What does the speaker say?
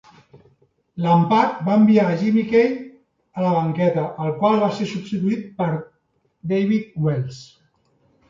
L'empat va enviar Jimmy Key a la banqueta, el qual va ser substituït per David Wells.